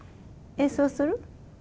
演奏する？